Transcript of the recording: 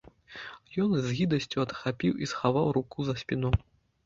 Ён з гідасцю адхапіў і схаваў руку за спіну.